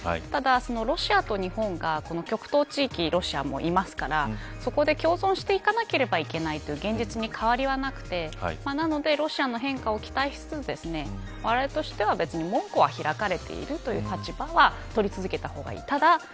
ただロシアと日本が極東地域にロシアもいますから、そこで共存していたなければいけないという現実にかわりはなくてなのでロシアの変化を期待しつつわれわれとしては別に門戸が開かれているという立場は取り続けた方がいい。